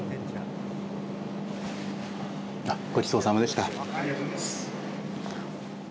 ごちそうさまでした。